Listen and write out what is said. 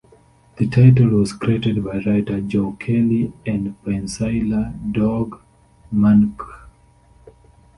The title was created by writer Joe Kelly and penciller Doug Mahnke.